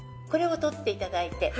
これを取っていただいて。